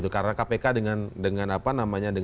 karena kpk dengan